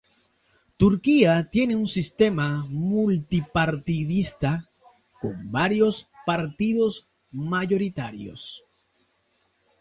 Turquía tiene un sistema multipartidista, con varios partidos mayoritarios.